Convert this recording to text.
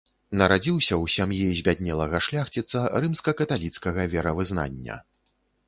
Нарадзіўся ў сям'і збяднелага шляхціца рымска-каталіцкага веравызнання.